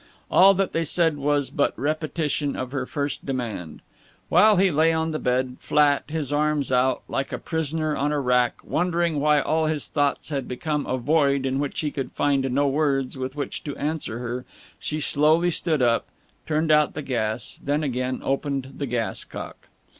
All that they said was but repetition of her first demand. While he lay on the bed, flat, his arms out, like a prisoner on a rack, wondering why all his thoughts had become a void in which he could find no words with which to answer her, she slowly stood up, turned out the gas, then again opened the gas cock.